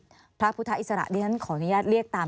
อยู่สรรค์นี้บ้านทำงานท่าน